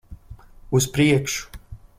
Uz priekšu!